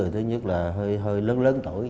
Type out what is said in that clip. thứ nhất là hơi lớn lớn tuổi